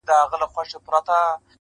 موچي ولي خبروې له خپله زوره-